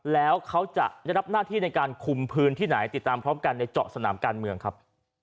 แล้วเขาจะได้รับหน้าที่ในการคุมพื้นที่ไหนติดตามพร้อมกันในเจาะสนามการเมืองครับ